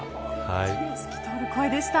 本当に透き通る声でした。